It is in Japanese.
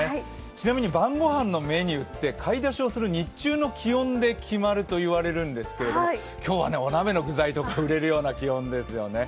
ちなみに晩ご飯のメニューって買い出しをする日中の気温で決まると言われるんですけど今日はお鍋の具材とか売れるような気温ですよね。